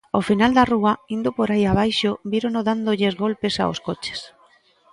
Ao final da rúa, indo por aí abaixo, vírono dándolles golpes aos coches.